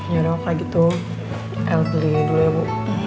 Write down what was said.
ya udah waktu lagi tuh ayo beli dulu ya bu